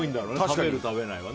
食べる食べないは。